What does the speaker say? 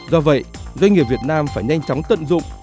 do vậy doanh nghiệp việt nam phải nhanh chóng tận dụng